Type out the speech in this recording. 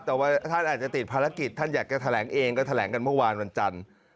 แต่ว่าท่านอาจจะติดภารกิจท่านอยากจะแถลงเองก็แถลงกันเมื่อวานวันจันทร์